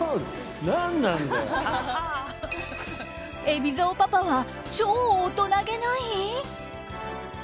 海老蔵パパは超大人げない？